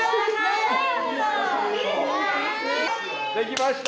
できました。